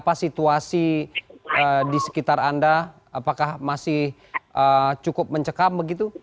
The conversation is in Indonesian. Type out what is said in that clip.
apakah situasi di sekitar anda masih cukup mencekam